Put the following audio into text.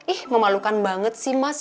ih memalukan banget sih mas